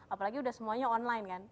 apalagi udah semuanya online kan